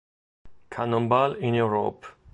Cannonball in Europe!